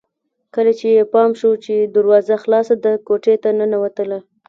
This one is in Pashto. کله چې يې پام شو چې دروازه خلاصه ده کوټې ته ننوتله